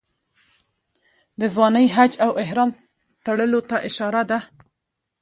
د ځوانۍ حج او احرام تړلو ته اشاره ده.